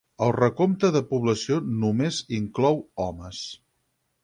El recompte de població només inclou homes.